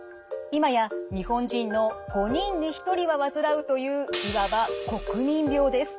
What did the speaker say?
今や日本人の５人に１人は患うといういわば国民病です。